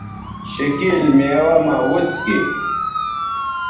شِکِیل میوہ مہ وڅکیئ